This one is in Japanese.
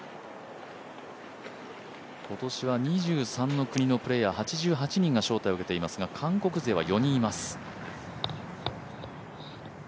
今年は２３の国のプレーヤー８８人が招待を受けていますが韓国勢は４人います。